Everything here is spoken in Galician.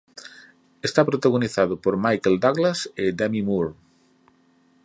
Está protagonizado por Michael Douglas e Demi Moore.